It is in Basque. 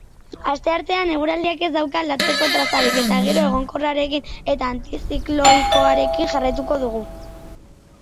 Asteartean eguraldiak ez dauka aldatzeko trazarik eta giro egonkorrarekin eta antizikloikoarekin jarraituko dugu.